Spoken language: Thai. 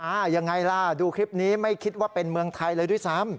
ยังไงล่ะดูคลิปนี้ไม่คิดว่าเป็นเมืองไทยเลยด้วยซ้ำ